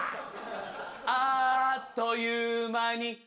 「あーっという間に」